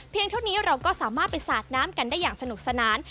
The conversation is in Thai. เท่านี้เราก็สามารถไปสาดน้ำกันได้อย่างสนุกสนาน